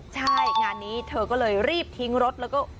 ใช่งานนี้เธอก็เลยรีบทิ้งรถ